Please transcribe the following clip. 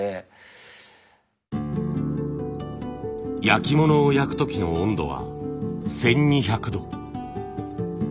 焼き物を焼く時の温度は１，２００度。